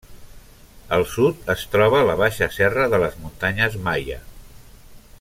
Al sud, es troba la baixa serra de les muntanyes Maia.